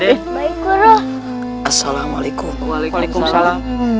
baik baik assalamualaikum waalaikumsalam